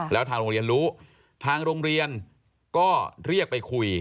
แล้วทางโรงเรียนรู้ทางโรงเรียนก็เรียกไปคุย